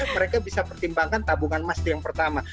mereka bisa pertimbangkan tabungan emas itu yang pertama